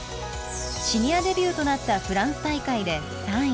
シニアデビューとなったフランス大会で３位。